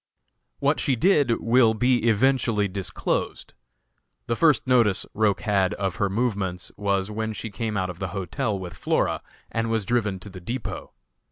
What she did will be eventually disclosed. The first notice Roch had of her movements, was when she came out of the hotel with Flora, and was driven to the depot.